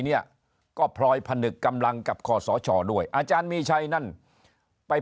เนี่ยก็พลอยผนึกกำลังกับคอสชด้วยอาจารย์มีชัยนั่นไป